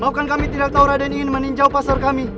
bahkan kami tidak tahu raden ingin meninjau pasar kami